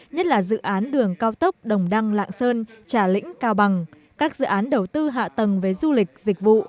nhất là dự án đường cao tốc đồng đăng lạng sơn trà lĩnh cao bằng các dự án đầu tư hạ tầng với du lịch dịch vụ